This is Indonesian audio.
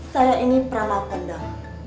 saya ini peramah pendang